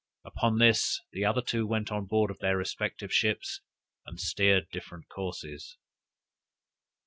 Upon this, the other two went on board of their respective ships, and steered different courses.